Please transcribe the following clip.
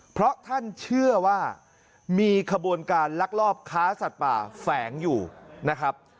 เพราะท่านเชื่อว่ามีขบวนการลักลอบค้าสัตว์ป่าแฝงอยู่นะครับ